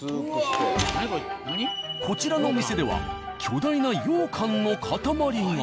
こちらのお店では巨大なようかんの塊が。